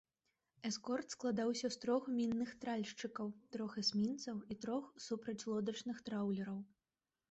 Эскорт складаўся з трох мінных тральшчыкаў, трох эсмінцаў і трох супрацьлодачных траўлераў.